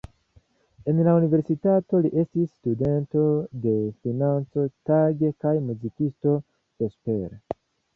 En la universitato li estis studento de financo tage kaj muzikisto vespere.